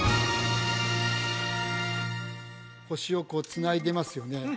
星をこうつないでますよね